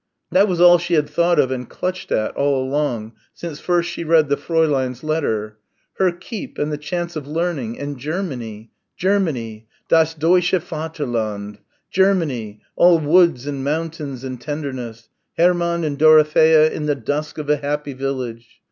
That was all she had thought of and clutched at all along, since first she read the Fräulein's letter. Her keep and the chance of learning ... and Germany Germany, das deutsche Vaterland Germany, all woods and mountains and tenderness Hermann and Dorothea in the dusk of a happy village.